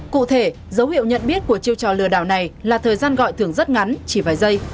cụ thể dấu hiệu nhận biết của chiêu trò lừa đảo này là thời gian gọi thường rất ngắn chỉ vài giây